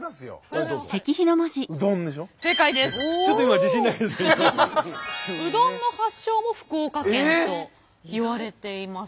うどんの発祥も福岡県といわれています。